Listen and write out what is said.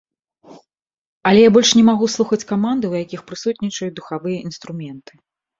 Але я больш не магу слухаць каманды, у якіх прысутнічаюць духавыя інструменты.